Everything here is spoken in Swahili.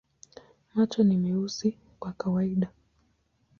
Macho ni meusi kwa kawaida.